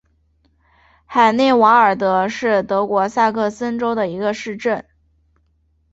海内瓦尔德是德国萨克森州的一个市镇。